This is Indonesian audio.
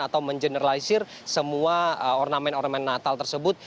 atau mengeneralisir semua ornamen ornamen natal tersebut